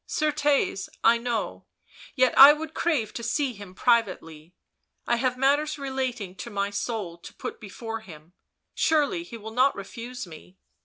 " Certes, I know, yet I w r ould crave to see him privately, I have matters relating to my soul to put before him, surely he will not refuse me."